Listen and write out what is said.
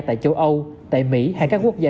tại châu âu tại mỹ hay các quốc gia